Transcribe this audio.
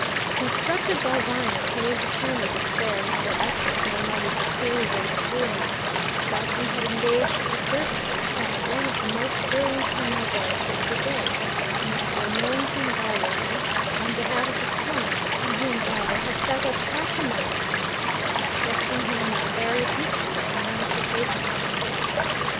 Instructed by Viner, who was determined to spare neither effort nor money to clear his old schoolmate, Felpham had engaged the services of one of the most brilliant criminal barristers of the day, Mr. Millington Bywater, on behalf of his client; and he and Viner had sat up half the night with him, instructing him in the various mysteries and ramifications of the case.